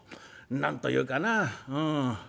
何というかなうん。